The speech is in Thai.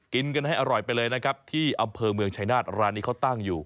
กินกันให้อร่อยไปเลยนะครับที่อำเภอเมืองชายนาฏร้านนี้เขาตั้งอยู่